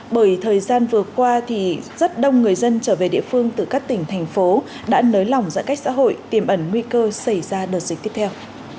bởi thời gian vừa qua thì rất đông người dân trở về địa phương từ các tỉnh thành phố đã nới lỏng giãn cách xã hội tiềm ẩn nguy cơ xảy ra đợt dịch tiếp theo